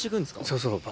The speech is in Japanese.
そうそう。